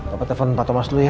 apa telfon pak thomas dulu ya